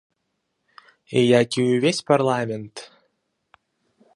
Як і ўвесь парламент.